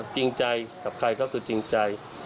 จริงใจกับใครก็คือจริงใจ